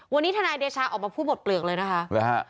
วันนี้ทนายเดชาออกมาพูดหมดเปลือกเลยนะคะหรือฮะ